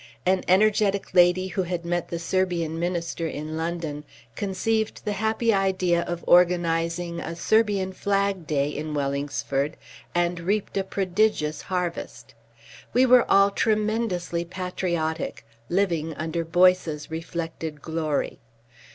An energetic lady who had met the Serbian Minister in London conceived the happy idea of organising a Serbian Flag Day in Wellingsford, and reaped a prodigious harvest. We were all tremendously patriotic, living under Boyce's reflected glory.